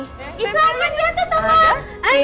itu apa di atas om